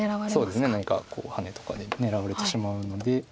そうですね何かハネとかで狙われてしまうので。